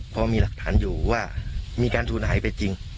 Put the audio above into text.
พอมีหลักฐานอยู่ว่ามีการสูญหายไปจริง